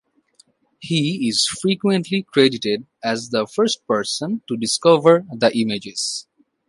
He is frequently credited as the first person to discover the images.